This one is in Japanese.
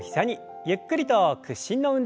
ゆっくりと屈伸の運動です。